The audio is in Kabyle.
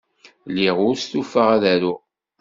Lliɣ ur stufaɣ ad aruɣ.